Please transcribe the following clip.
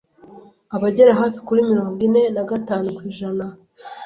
abagera hafi kuri mirongo ine na gatanu kw’ijana